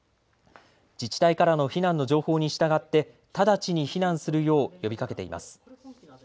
自治体からの避難の情報に従って直ちに避難するよう呼びかけています。